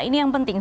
ini yang penting